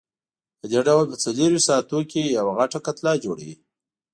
پدې ډول په څلورویشت ساعتونو کې یوه غټه کتله جوړوي.